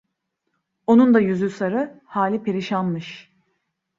Onun da yüzü sarı, hali perişanmış.